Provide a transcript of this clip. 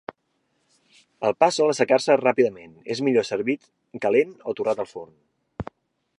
El pa sol assecar-se ràpidament, és millor servit calent o torrat al forn.